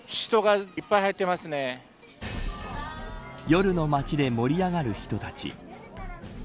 夜の街で盛り上がる人たち。